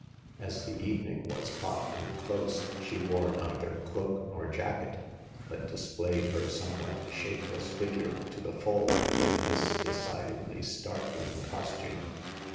As the evening was hot and close, she wore neither cloak nor jacket, but displayed her somewhat shapeless figure to the full in this decidedly startling cos tume.